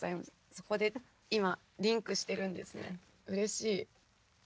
そこで今リンクしてるんですねうれしい。